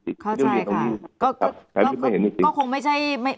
แสล็งมันไม่เห็นจริง